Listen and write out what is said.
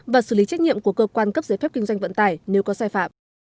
và xử lý trách nhiệm của cơ quan cấp giấy phép kinh doanh vận tải nếu có sai phạm